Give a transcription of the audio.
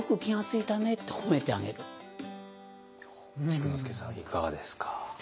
菊之助さんいかがですか？